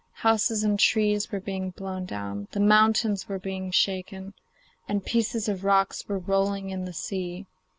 Houses and trees were being blown down, the mountains were being shaken, and pieces of rock were rolling in the sea.